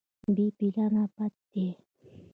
بې پلانه بد دی.